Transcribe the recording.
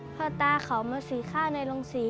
พ่อตาเขามาสีข้าวในโรงศรี